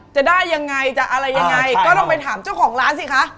จะได้ยังไงจะอะไรยังไงก็ต้องไปถามเจ้าของร้านสิคะ